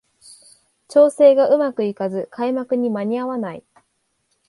調整がうまくいかず開幕に間に合わない